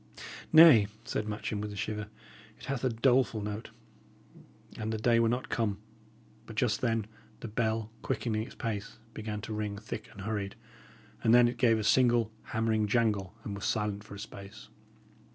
"Nay," said Matcham, with a shiver, "it hath a doleful note. An the day were not come" But just then the bell, quickening its pace, began to ring thick and hurried, and then it gave a single hammering jangle, and was silent for a space.